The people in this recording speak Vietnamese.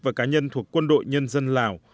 và cá nhân thuộc quân đội nhân dân lào